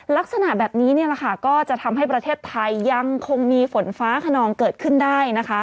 ลักษณะแบบนี้ก็จะทำให้ประเทศไทยยังคงมีฝนฟ้าขนองเกิดขึ้นได้นะคะ